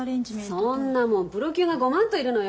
そんなもんプロ級がゴマンといるのよ。